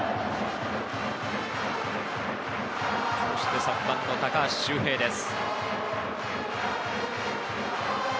そして、３番の高橋周平です。